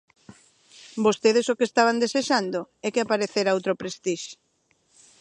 Vostedes o que estaban desexando é que aparecera outro Prestige.